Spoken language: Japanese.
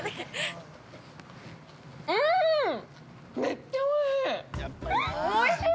めっちゃおいしい！